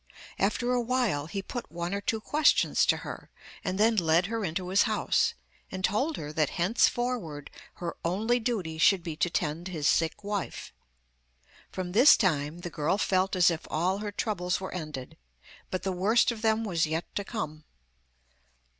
After a while he put one or two questions to her, and then led her into his house, and told her that henceforward her only duty should be to tend his sick wife. From this time the girl felt as if all her troubles were ended, but the worst of them was yet to come.